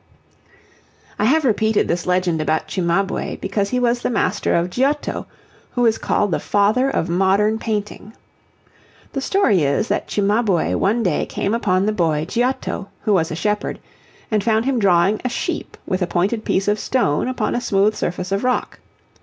I have repeated this legend about Cimabue, because he was the master of Giotto, who is called the Father of Modern Painting. The story is that Cimabue one day came upon the boy Giotto, who was a shepherd, and found him drawing a sheep with a pointed piece of stone upon a smooth surface of rock.